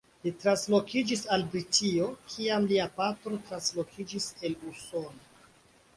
Li transloĝiĝis al Britio, kiam lia patro transloĝiĝis el Usono.